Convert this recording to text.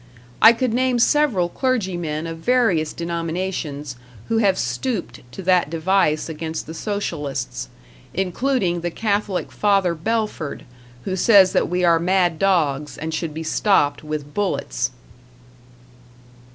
I could name several clergymen of various denominations who have stooped to that device against the Socialists; including the Catholic Father Belford, who says that we are mad dogs and should be stopped with bullets.